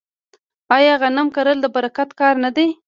آیا غنم کرل د برکت کار نه دی؟